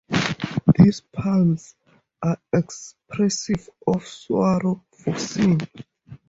These psalms are expressive of sorrow for sin.